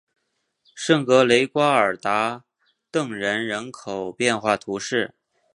圣格雷瓜尔达登人口变化图示